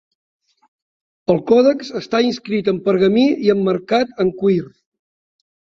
El còdex està escrit en pergamí i emmarcat en cuir.